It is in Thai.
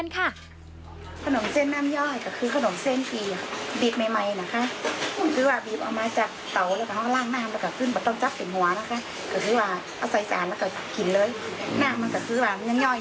นั่นแหละเขาได้มาจากขนมเส้นน้ำย้อยจ้ะ